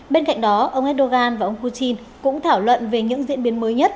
bên cạnh đó ông erdogan và ông putin cũng thảo luận về những diễn biến mới nhất